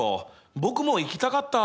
僕も行きたかった！